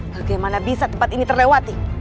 bagaimana bisa tempat ini terlewati